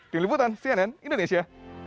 tim liputan cnn indonesia